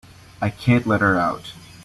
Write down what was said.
I can't let her out.